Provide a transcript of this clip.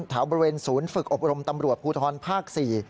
แถวบริเวณศูนย์ฝึกอบรมตำรวจภูทรภาค๔